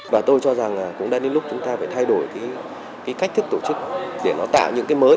và tôi cho rằng cũng đang đến lúc chúng ta phải thay đổi cái cách thức tổ chức để nó tạo những cái mới